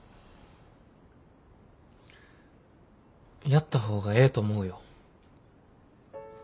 やった方がええと思うよ。